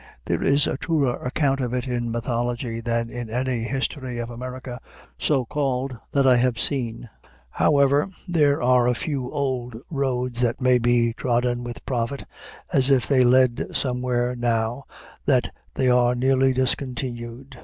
There is a truer account of it in mythology than in any history of America, so called, that I have seen. However, there are a few old roads that may be trodden with profit, as if they led somewhere now that they are nearly discontinued.